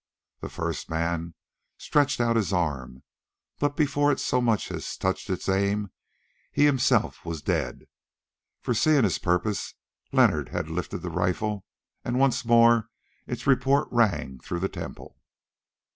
The first man stretched out his arm, but before it so much as touched its aim he himself was dead, for, seeing his purpose, Leonard had lifted the rifle, and once more its report rang through the temple.